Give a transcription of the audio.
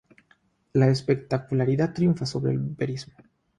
La espectacularidad triunfa sobre el verismo.